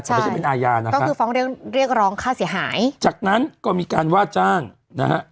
ไม่ใช่เป็นอาญานะก็คือฟ้องเรียกเรียกร้องค่าเสียหายจากนั้นก็มีการว่าจ้างนะฮะ